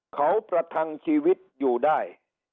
เขาประทังชีวิตอยู่ได้